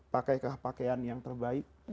pakailah pakaian yang terbaik